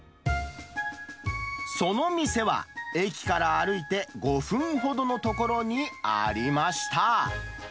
その店は、駅から歩いて５分ほどの所にありました。